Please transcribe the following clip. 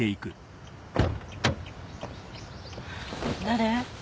誰？